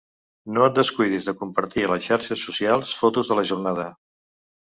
No et descuidis de compartir a les xarxes socials fotos de la jornada.